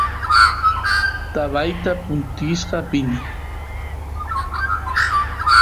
taba punkisqa apini